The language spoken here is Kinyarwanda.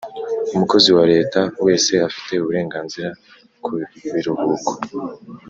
umukozi wa leta wese afite uburenganzira ku biruhuko,